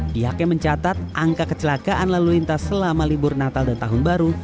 pihaknya mencatat angka kecelakaan lalu lintas selama libur natal dan tahun baru